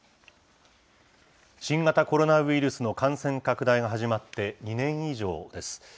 新型コロナウイルスの感染拡大が始まって２年以上です。